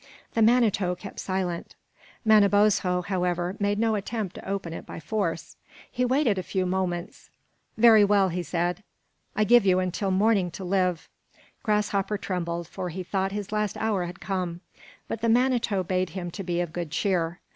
The Manito kept silent. Manabozho, however, made no attempt to open it by force. He waited a few moments. "Very well," he said, "I give you till morning to live." Grasshopper trembled, for he thought his last hour had come; but the Manito bade him to be of good cheer.